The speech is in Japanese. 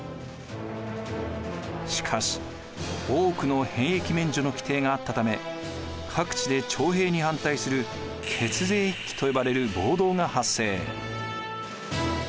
しかし多くの兵役免除の規定があったため各地で徴兵に反対する血税一揆と呼ばれる暴動が発生。